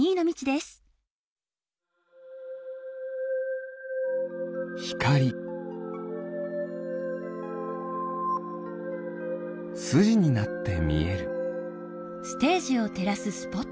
すじになってみえる。